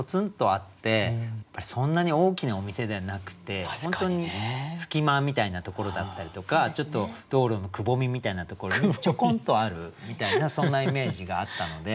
そんなに大きなお店ではなくて本当に隙間みたいなところだったりとかちょっと道路のくぼみみたいなところにちょこんとあるみたいなそんなイメージがあったので。